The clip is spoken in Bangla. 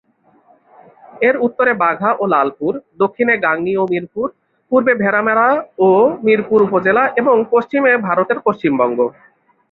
এর উত্তরে বাঘা ও লালপুর, দক্ষিণে গাংনী ও মিরপুর, পুর্বে ভেড়ামারা ও মিরপুর উপজেলা এবং পশ্চিমে ভারতের পশ্চিমবঙ্গ।